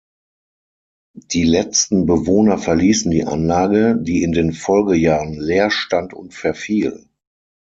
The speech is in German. Die letzten Bewohner verließen die Anlage, die in den Folgejahren leer stand und verfiel.